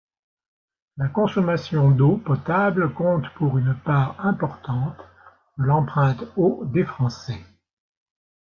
La consommation d'eau potable compte pour une part importante de l'empreinte eau des français.